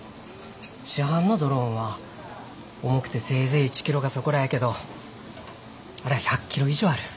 市販のドローンは重くてせいぜい１キロかそこらやけどあれは１００キロ以上ある。